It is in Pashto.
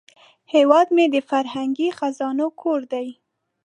هیواد مې د فرهنګي خزانو کور دی